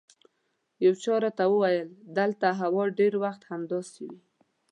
یو چا راته وویل دلته هوا ډېر وخت همداسې وي.